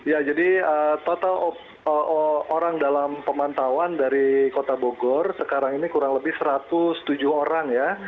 ya jadi total orang dalam pemantauan dari kota bogor sekarang ini kurang lebih satu ratus tujuh orang ya